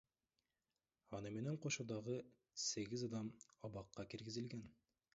Аны менен кошо дагы сегиз адам абакка киргизилген.